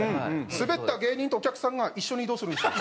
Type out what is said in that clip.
スベった芸人とお客さんが一緒に移動するんですよ。